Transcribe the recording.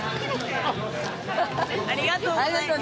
ありがとうございます。